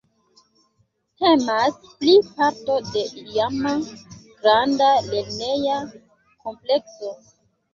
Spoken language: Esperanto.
Temas pli parto de iama, granda lerneja komplekso.